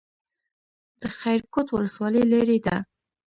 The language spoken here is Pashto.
د خیرکوټ ولسوالۍ لیرې ده